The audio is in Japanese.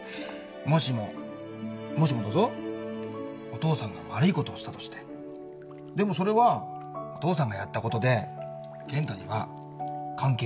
お父さんが悪いことをしたとしてでもそれはお父さんがやったことで健太には関係ない。